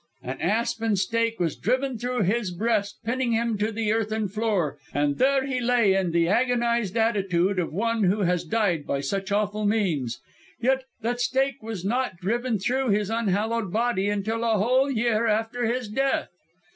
"An aspen stake was driven through his breast, pinning him to the earthern floor, and there he lay in the agonised attitude of one who had died by such awful means. Yet that stake was not driven through his unhallowed body until a whole year after his death!